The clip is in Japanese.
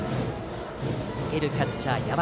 受けるキャッチャーは八幡。